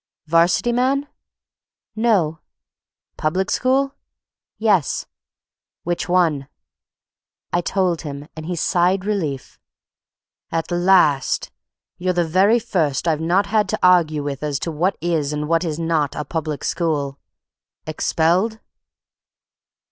"'Varsity man?" "No." "Public school?" "Yes." "Which one?" I told him, and he sighed relief. "At last! You're the very first I've not had to argue with as to what is and what is not a public school. Expelled?"